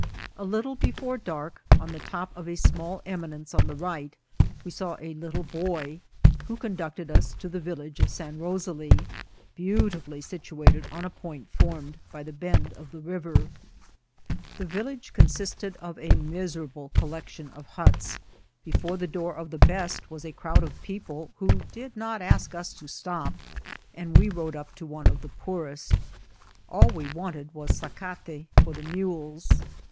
A little before dark, on the top of a small eminenoe on the right, we saw a little boy^ who conducted us to the village of San Rosalie, beauti frilly situated on a point formed by the bend of the river* 180 IKCIDBHTS OP T&ATBL. The village consisted of a miserable colleoti<Mi of huts ; before tke door of the best was a crowd of people, who did not ask us to stop, and we rode xxp to one of the poorest. All we wanted was sacate* for the mules.